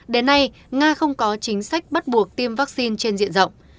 đến nay nga không có chính sách bắt buộc tiêm vaccine trên diện rộng